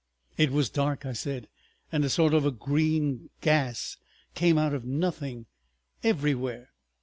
..." "It was dark," I said, "and a sort of green gas came out of nothing everywhere.